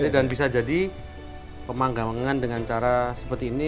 dan bisa jadi pemanggangan dengan cara seperti ini